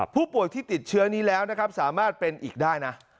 ผู้ป่วยที่ติดเชื้อนี้แล้วนะครับสามารถเป็นอีกได้นะ